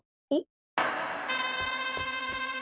おっ？